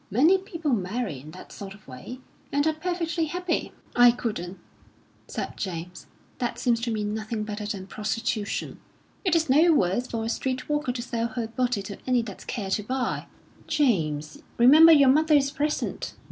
"Many people marry in that sort of way, and are perfectly happy." "I couldn't," said James. "That seems to me nothing better than prostitution. It is no worse for a street walker to sell her body to any that care to buy." "James, remember your mother is present."